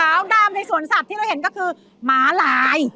ดำในสวนสัตว์ที่เราเห็นก็คือหมาลาย